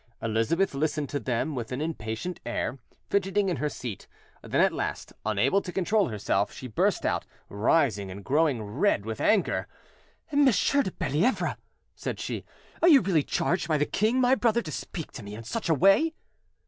Elizabeth listened to them with an impatient air, fidgeting in her seat; then at last, unable to control herself, she burst out, rising and growing red with anger— "M. de Bellievre," said she, "are you really charged by the king, my brother, to speak to me in such a way?"